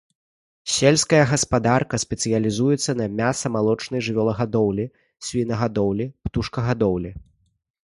Сельская гаспадарка спецыялізуецца на мяса-малочнай жывёлагадоўлі, свінагадоўлі, птушкагадоўлі.